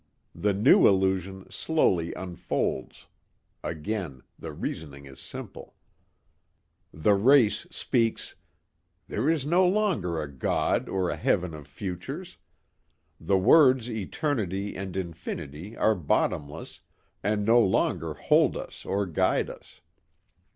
The new illusion slowly unfolds. Again the reasoning is simple. The race speaks.... "There is no longer a God or a Heaven of futures. The words eternity and infinity are bottomless and no longer hold us or guide us.